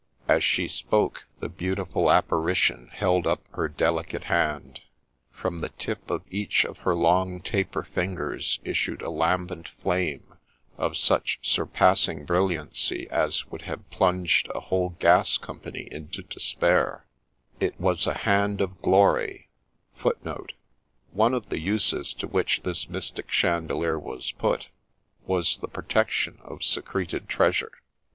As she spoke, the beautiful apparition held up her delicate hand. From the tip of each of her long taper fingers issued a lambent flame of such surpassing brilliancy as would have plunged a whole gas com pany into despair — it was a ' Hand of Glory Y such a one as tradition tells us yet burns in Rochester Castle every St. Mark's 1 One of the uses to which this mystic chandelier was put, was the protection of secreted treasure.